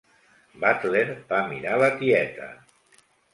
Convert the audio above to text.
Butler va mirar la tieta.